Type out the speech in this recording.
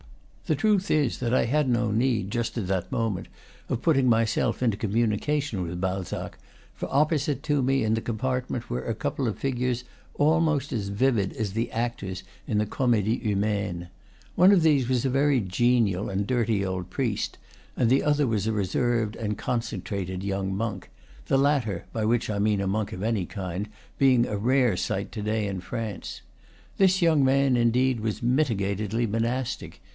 The truth is that I had no need, just at that moment, of putting myself into communication with Balzac; for opposite to me in the compartment were a couple of figures almost as vivid as the actors in the "Comedie Humaine." One of these was a very genial and dirty old priest, and the other was a reserved and concen trated young monk, the latter (by which I mean a monk of any kind) being a rare sight to day in France. This young man, indeed, was mitigatedly monastic.